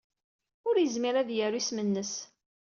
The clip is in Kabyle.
Ur yezmir ad yaru isem-nnes.